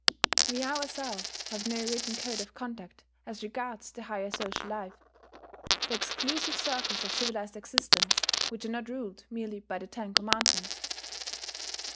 We ourselves have no written code of conduct as regards the higher social life, the exclusive circles of civilized existence, which are not ruled merely by the Ten Commandments.